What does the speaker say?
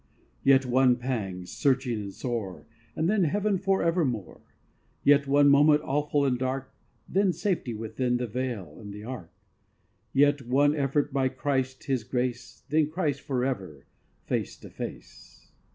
Yet one pang, searching and sore, And then Heaven forevermore; Yet one moment awful and dark, Then safety within the Veil and the Ark; Yet one effort by Christ His grace, Then Christ forever face to face.